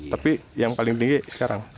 tapi yang paling tinggi sekarang